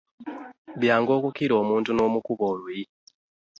Byangu okukkira omuntu n'omukuba oluyi.